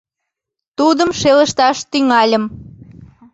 Тудым шелышташ тӱҥальым.